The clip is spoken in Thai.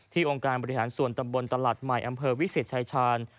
องค์การบริหารส่วนตำบลตลาดใหม่อำเภอวิเศษชายชาญ